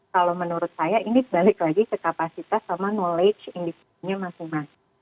kalau menurut saya ini balik lagi ke kapasitas sama knowledge individunya masing masing